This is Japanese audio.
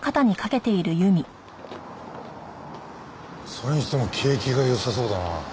それにしても景気がよさそうだな。